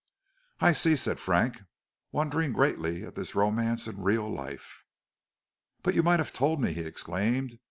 "I see," said Frank, wondering greatly at this romance in real life. "But you might have told me," he exclaimed.